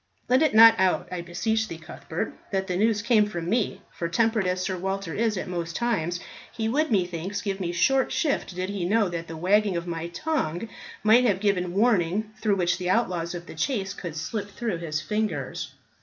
"Let it not out, I beseech thee, Cuthbert, that the news came from me, for temperate as Sir Walter is at most times, he would, methinks, give me short shift did he know that the wagging of my tongue might have given warning through which the outlaws of the Chase should slip through his fingers."